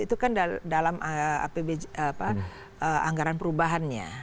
itu kan dalam anggaran perubahannya